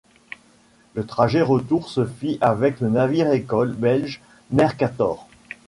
Le trajet retour se fit avec le navire-école belge Mercator.